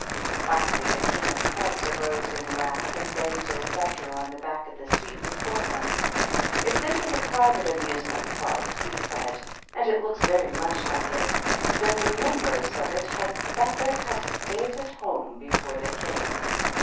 Finally the King of Clubs arose in wrath and banged his sceptre on the back of the seat before him. " If this is a proivate amusement club," he said, "and it looks vary much like it, then the numbers of it had betther have staid at home before they came."